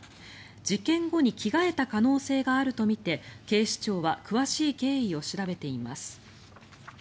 事件後に着替えた可能性があるとみて警視庁は詳しい経緯を調べています。